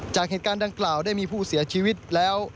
จากเหตุการณ์ดังกล่าวได้มีผู้เสียชีวิตแล้ว